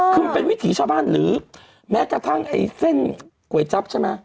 คือมันเป็นวิถีชาวบ้านหรือแม้กระทั่งไอ้เส้นก๋วยจั๊บใช่ไหม